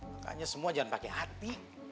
makanya semua jangan pakai hati